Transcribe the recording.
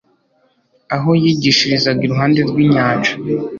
aho yigishirizaga iruhande rw'inyanja.